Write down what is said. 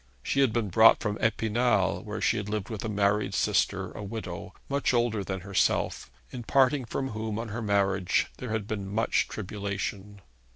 She had been brought from Epinal, where she had lived with a married sister, a widow, much older than herself in parting from whom on her marriage there had been much tribulation.